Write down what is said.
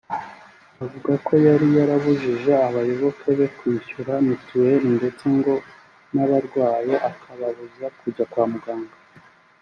Avuga ko yari yarabujije abayoboke be kwishyura mituweli ndetse ngo n’abarwaye akababuza kujya kwa muganga